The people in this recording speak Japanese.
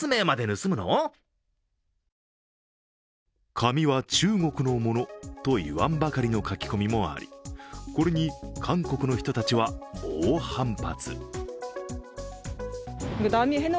紙は中国のものと言わんばかりの書き込みもありこれに韓国の人たちは猛反発。